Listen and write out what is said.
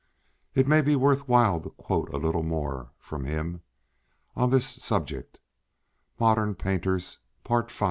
It may be worth while to quote a little more from him on this subject ("Modern Painters," part v.